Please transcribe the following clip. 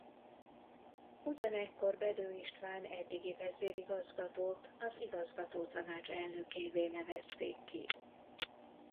Ugyanekkor Bedő István eddigi vezérigazgatót az igazgatótanács elnökévé nevezték ki.